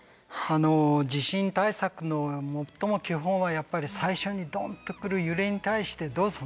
地震対策の最も基本はやっぱり最初にドンと来る揺れに対してどう備えるかなんですよね。